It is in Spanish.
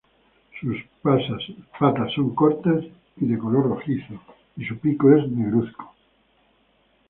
Sus pasas son cortas y de color rojizo y su pico es negruzco.